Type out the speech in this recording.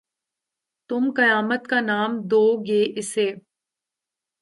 تم قیامت کا نام دو گے اِسے